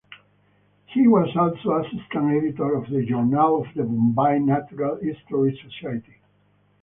He was also assistant editor of the "Journal of the Bombay Natural History Society".